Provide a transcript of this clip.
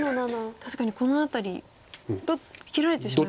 確かにこの辺り切られてしまいますか。